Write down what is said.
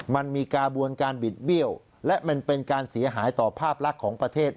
มันมีกระบวนการบิดเบี้ยวและมันเป็นการเสียหายต่อภาพลักษณ์ของประเทศ